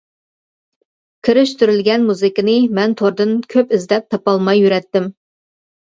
كىرىشتۈرۈلگەن مۇزىكىنى مەن توردىن كۆپ ئىزدەپ تاپالماي يۈرەتتىم.